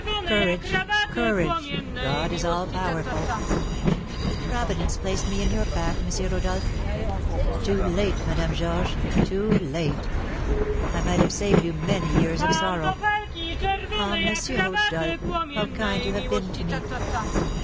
"Courage, courage; God is all powerful." "Providence placed me in your path, M. Rodolph." "Too late, Madame Georges; too late. I might have saved you many years of sorrow." "Ah, M. Rodolph, how kind you have been to me!"